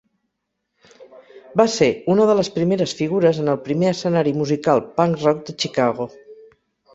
Va ser una de les primeres figures en el primer escenari musical punk rock de Chicago.